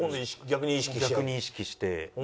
逆に意識して。